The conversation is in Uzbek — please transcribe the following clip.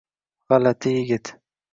G’alati yigit.